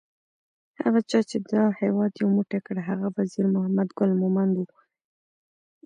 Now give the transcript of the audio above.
هغه چا چې دا هیواد یو موټی کړ هغه وزیر محمد ګل مومند وو